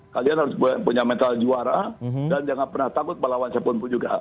kalian harus punya mental juara dan jangan pernah takut melawan siapapun juga